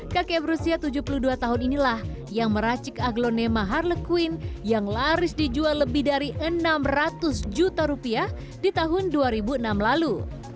kakek berusia tujuh puluh dua tahun inilah yang meracik aglonema harlequine yang laris dijual lebih dari enam ratus juta rupiah di tahun dua ribu enam lalu